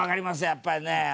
やっぱりね。